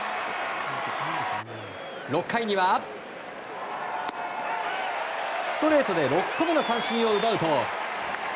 ６回には、ストレートで６個目の三振を奪うと。